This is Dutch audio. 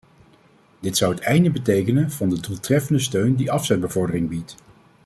Dit zou het einde betekenen van de doeltreffende steun die afzetbevordering biedt.